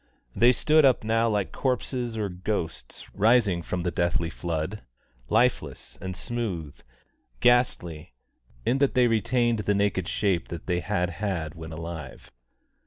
They stood up now like corpses or ghosts, rising from the deathly flood, lifeless and smooth; ghastly, in that they retained the naked shape that they had had when alive.